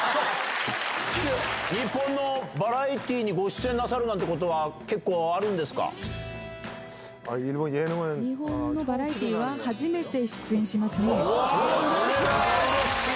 日本のバラエティーにご出演なさるなんてことは結構あるんで日本のバラエティーは初めてうわー、うれしい。